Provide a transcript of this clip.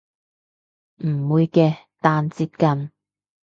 唔會嘅但接近